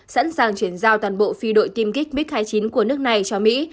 sẵn sàng chuyển giao toàn bộ phi đội tiêm kích mik hai mươi chín của nước này cho mỹ